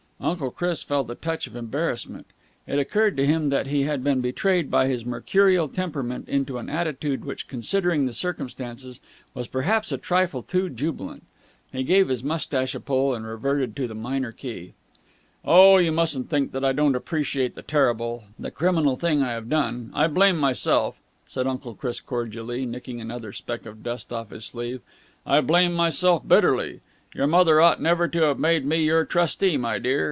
Uncle Chris felt a touch of embarrassment. It occurred to him that he had been betrayed by his mercurial temperament into an attitude which, considering the circumstances, was perhaps a trifle too jubilant. He gave his moustache a pull, and reverted to the minor key. "Oh, you mustn't think that I don't appreciate the terrible, the criminal thing I have done! I blame myself," said Uncle Chris cordially, nicking another speck of dust off his sleeve. "I blame myself bitterly. Your mother ought never to have made me your trustee, my dear.